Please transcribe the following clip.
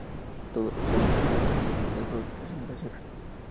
Todos los aviones de ataque eran de fabricación casera.